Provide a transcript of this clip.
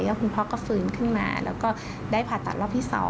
แล้วคุณพ่อก็ฟื้นขึ้นมาแล้วก็ได้ผ่าตัดรอบที่๒